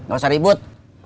gak usah ribut